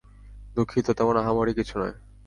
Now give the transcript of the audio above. দুঃখিত, তেমন আহামরি কিছু নয়।